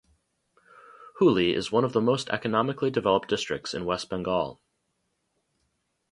Hooghly is one of the most economically developed districts in West Bengal.